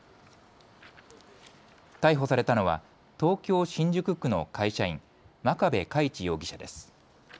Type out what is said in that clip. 逮捕されたのは東京新宿区の会社員、眞壁佳一容疑者です。